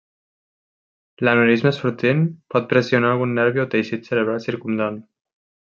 L'aneurisma sortint pot pressionar algun nervi o teixit cerebral circumdant.